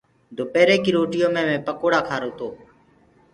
دُپيري ڪي روٽيو مي مينٚ پِڪوڙآ کآرو تو۔